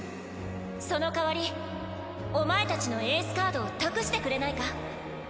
そのかわりお前たちのエースカードを託してくれないか？